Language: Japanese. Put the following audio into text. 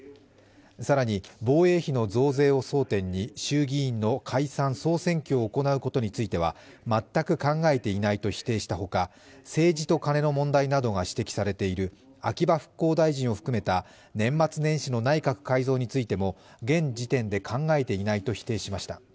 更に防衛費の増税を争点に衆議院の解散総選挙を行うことについては全く考えていないと否定したほか政治とカネの問題などが指摘されている秋葉復興大臣を含めた年末年始の内閣改造についても現時点で考えていないと否定しました。